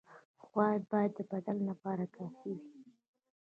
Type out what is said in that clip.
خواب باید د بدن لپاره کافي وي.